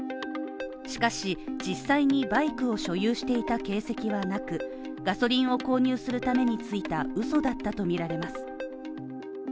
しかし、実際にバイクを所有していた形跡はなく、ガソリンを購入するためについた嘘だったとみられます。